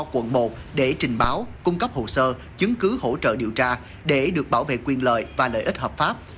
quận một để trình báo cung cấp hồ sơ chứng cứ hỗ trợ điều tra để được bảo vệ quyền lợi và lợi ích hợp pháp